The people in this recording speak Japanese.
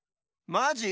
マジ？